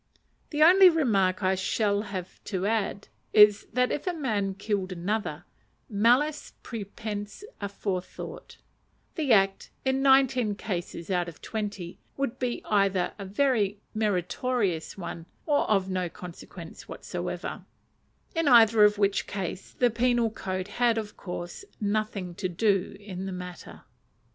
The only remark I shall have to add is, that if a man killed another, "malice prepense aforethought," the act, in nineteen cases out of twenty, would be either a very meritorious one, or of no consequence whatever; in either of which cases the penal code had, of course, nothing to do in the matter.